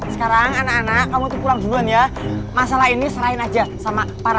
sekarang anak anak kamu tuh pulang duluan ya masalah ini serahin aja sama para